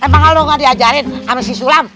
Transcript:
emang lu gak diajarin sama sisulam